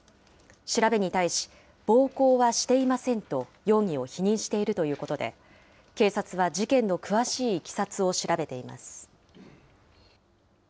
調べに対し、暴行はしていませんと、容疑を否認しているということで、警察は事件の詳しいいきさつを調べています。